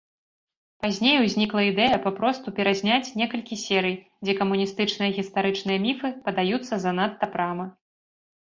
Пазней узнікла ідэя папросту перазняць некалькі серый, дзе камуністычныя гістарычныя міфы падаюцца занадта прама.